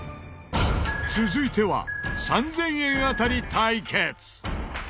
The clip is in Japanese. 続いては３０００円当たり対決。